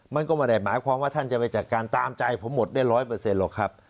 มันก็มาแดดหมายความว่าท่านจะไปจัดการตามใจผมหมดได้ร้อยเปอร์เซ็นต์หรอกครับ